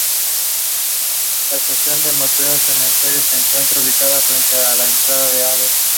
La hembras además pueden diferenciarse de los machos por el color del iris.